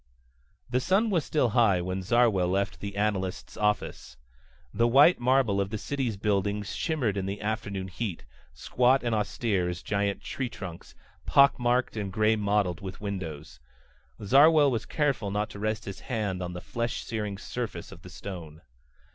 The sun was still high when Zarwell left the analyst's office. The white marble of the city's buildings shimmered in the afternoon heat, squat and austere as giant tree trunks, pock marked and gray mottled with windows. Zarwell was careful not to rest his hand on the flesh searing surface of the stone.